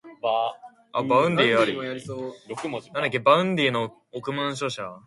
Many ex-Jesuits asked to be re-affiliated with the Society in Russia in this period.